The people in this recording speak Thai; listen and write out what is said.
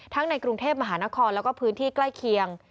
ในกรุงเทพมหานครแล้วก็พื้นที่ใกล้เคียง